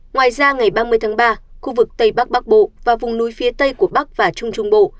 ngoài ra ngày ba mươi tháng ba khu vực tây bắc bắc bộ và vùng núi phía tây của bắc và trung trung bộ